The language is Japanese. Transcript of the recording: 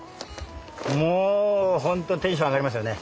もうほんとテンション上がりますよね。